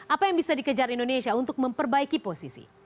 apa yang bisa dikejar indonesia untuk memperbaiki posisi